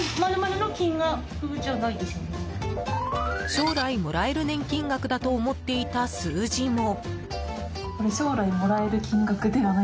将来もらえる年金額だと思っていた数字も。